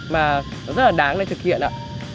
mà nó rất là đáng để thực hiện ạ